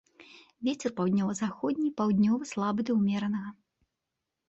Вецер паўднёва-заходні, паўднёвы слабы да ўмеранага.